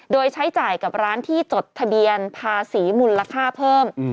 โดยใช้จ่ายกับร้านที่จดทะเบียนภาษีมูลค่าเพิ่ม